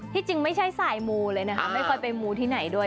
จริงไม่ใช่สายมูเลยนะคะไม่ค่อยไปมูที่ไหนด้วย